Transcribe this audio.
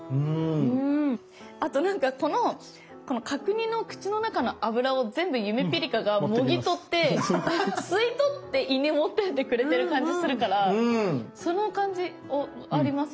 あとなんかこの角煮の口の中の脂を全部ゆめぴりかがもぎ取って吸い取って胃に持ってってくれてる感じするからその感じあります。